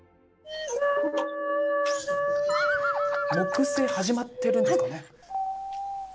「木星」始まってるんですかね？